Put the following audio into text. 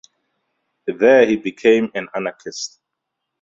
There he became an anarchist.